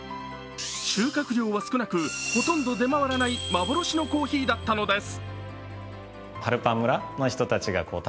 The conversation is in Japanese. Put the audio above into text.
収穫量は少なく、ほとんど出回らない幻のコーヒーだったのです。